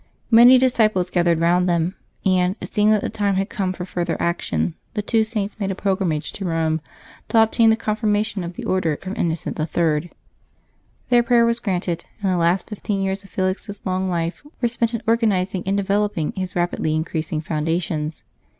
Many disciples gathered round them ; and. seeing that the time had come for further action, the two Saints made a pilgrimage to Eome to obtain tlie confirmation of the Order from Inno cent III. Their prayer was granted, and the last fifteen years of Felix's long life were spent in organizing and de veloping his rapidly increasing foundations.